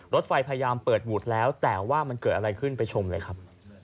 รถไฟพยายามเปิดหวูดแล้วแต่ว่ามันเกิดอะไรขึ้นไปชมเลยครับ